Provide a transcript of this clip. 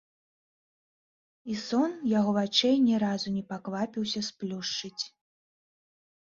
І сон яго вачэй ні разу не паквапіўся сплюшчыць.